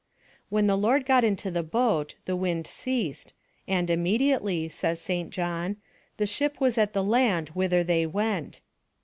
When the Lord got into the boat, the wind ceased, "and immediately," says St John, "the ship was at the land whither they went."